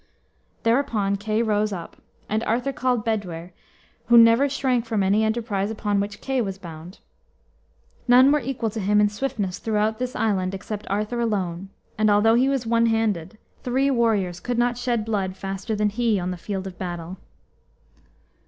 Thereupon Kay rose up. And Arthur called Bedwyr, who never shrank from any enterprise upon which Kay was bound. None were equal to him in swiftness throughout this island except Arthur alone; and although he was one handed; three warriors could not shed blood faster than he on the field of battle.